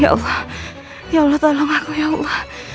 ya allah ya allah tolong aku ya allah